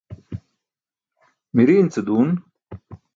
miriin ce duun